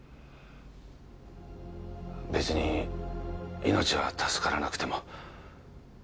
べつに命は助からなくても